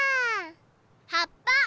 はっぱ！